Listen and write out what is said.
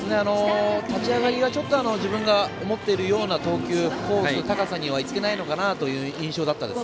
立ち上がりがちょっと自分が思っているような投球コース、高さにいってないのかなという印象でした。